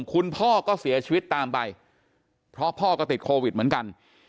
คุณพ่อก็เสียชีวิตตามไปเพราะพ่อก็ติดโควิดเหมือนกัน